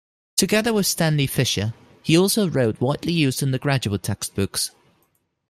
Together with Stanley Fischer he also wrote widely used undergraduate textbooks.